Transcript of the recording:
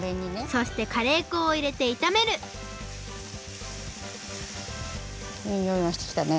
そしてカレーこをいれていためるいいにおいがしてきたね。